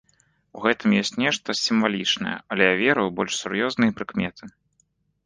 У гэтым ёсць нешта сімвалічнае, але я веру ў больш сур'ёзныя прыкметы.